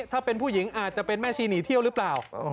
ถ้าเป็นผู้หญิงอาจจะเป็นแม่ชีหนีเที่ยวหรือเปล่า